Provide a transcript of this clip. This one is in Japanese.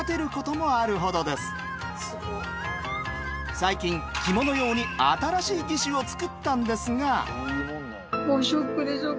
最近着物用に新しい義手を作ったんですが。